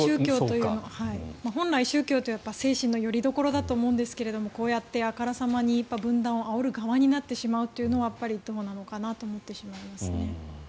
本来、宗教というのは精神のよりどころだと思うんですがこうやってあからさまに分断をあおる側になってしまうというのはどうなのかなと思ってしまいますね。